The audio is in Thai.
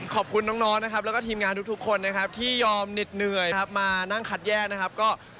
ขอบคุณน้องนะครับแล้วก็ทีมงานทุกคนนะครับ